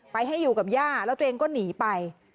ไปให้อยู่กับย่าแล้วตัวเองก็หนีไป